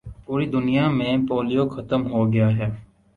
پوری دنیا میں پولیو ختم ہو گیا ہے